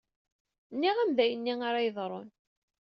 Nniɣ-am d ayenni ara yeḍṛun.